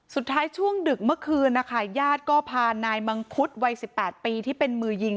ช่วงดึกเมื่อคืนนะคะญาติก็พานายมังคุดวัย๑๘ปีที่เป็นมือยิง